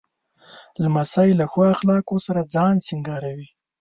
لمسی له ښو اخلاقو سره ځان سینګاروي.